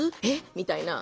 みたいな。